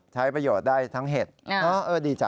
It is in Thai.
ใช้ประโยชน์ได้ทั้งเห็ดดีจ้